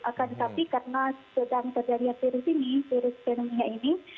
akan tetapi karena sedang terjadinya virus ini virus pneumonia ini